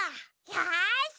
よし！